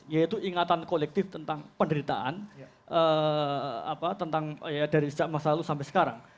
yaitu ingatan kolektif tentang penderitaan tentang dari sejak masa lalu sampai sekarang